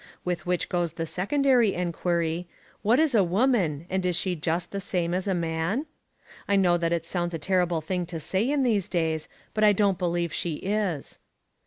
With which goes the secondary enquiry, What is a woman and is she just the same as a man? I know that it sounds a terrible thing to say in these days, but I don't believe she is.